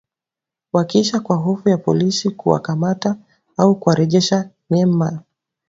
wakiishi kwa hofu ya polisi kuwakamata au kuwarejesha Myanmar